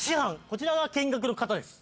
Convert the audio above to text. こちらが見学の方です